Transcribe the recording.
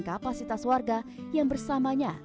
kapasitas warga yang bersamanya